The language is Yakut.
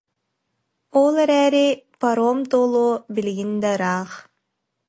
Ол эрээри паром туолуо билигин да ыраах